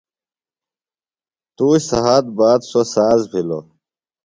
تُوش سھات باد سوۡ ساز بِھلوۡ۔